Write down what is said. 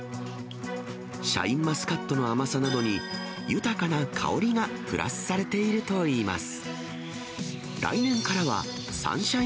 シャインマスカットの甘さなどに豊かな香りがプラスされているといいます。